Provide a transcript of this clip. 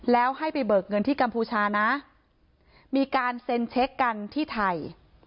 แล้วให้ไปเบิกเงินที่กัมพูชานะมีการเซ็นเช็คกันที่ไทย